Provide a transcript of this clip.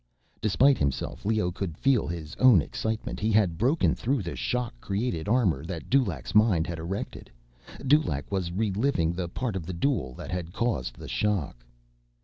Despite himself, Leoh could feel his own excitement. He had broken through the shock created armor that Dulaq's mind had erected! Dulaq was reliving the part of the duel that had caused the shock.